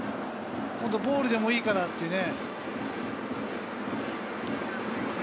ボールでもいいからってね。